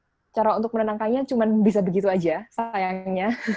tapi saya rasa cara untuk menenangkannya cuma bisa begitu saja sayangnya